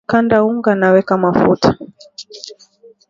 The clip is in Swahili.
kanda unga na weka mafuta